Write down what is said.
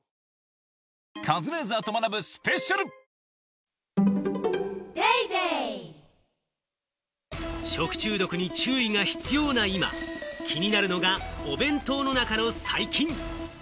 「ビオレ」食中毒に注意が必要な今、気になるのがお弁当の中の細菌。